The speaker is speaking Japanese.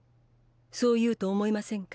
そう言うと思いませんか？